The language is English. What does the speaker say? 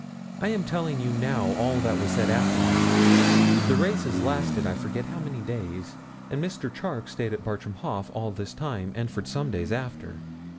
I am telling you now all that was said afterwards. The races lasted I forget how many days, and Mr. Charke stayed at Bartram Haugh all this time and for some days after.